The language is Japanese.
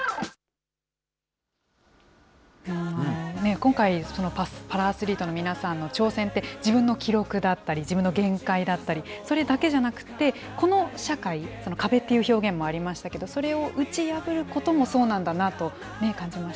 今回、そのパラアスリートの皆さんの挑戦って、自分の記録だったり、自分の限界だったり、それだけじゃなくって、この社会、壁という表現もありましたけど、それを打ち破ることもそうなんだ